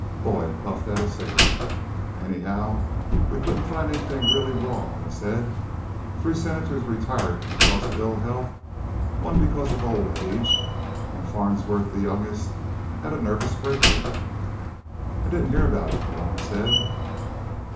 Boyd puffed at his cigarette. "Anyhow, we couldn't find anything really wrong," he said. "Three senators retiring because of ill health, one because of old age. And Farnsworth, the youngest, had a nervous breakdown." "I didn't hear about it," Malone said.